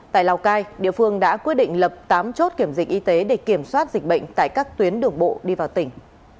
tại lào cai địa phương đã quyết định lập tám chốt kiểm dịch y tế để kiểm soát dịch bệnh tại các tuyến đường bộ đi vào tỉnh